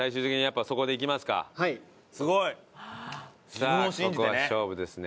さあここは勝負ですね。